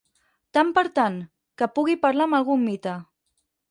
Tant per tant, que pugui parlar amb algun mite.